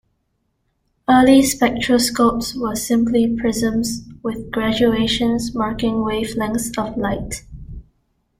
Early spectroscopes were simply prisms with graduations marking wavelengths of light.